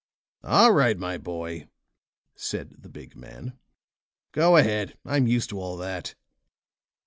"All right, my boy," said the big man. "Go ahead. I'm used to all that."